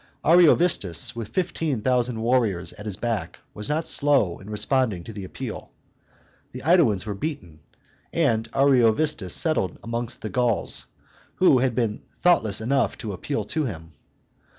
Ariovistus, with fifteen thousand warriors at his back, was not slow in responding to the appeal. The AEdaans were beaten; and Ariovistus settled amongst the Gauls who had been thoughtless enough to appeal to him.